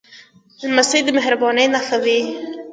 لمسی د مهربانۍ نښه وي.